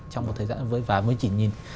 trong một thời gian và mới chỉ nhìn